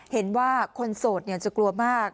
เห็นว่าคนโสดจะกลัวมาก